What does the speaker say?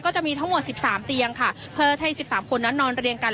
ก็จะมีทั้งหมดสิบสามเตียงค่ะเพื่อให้สิบสามคนนั้นนอนเรียงกัน